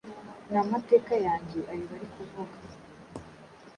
N’amateka yanjye ayo bari kuvuga